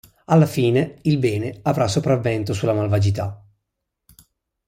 Alla fine, il bene avrà il sopravvento sulla malvagità.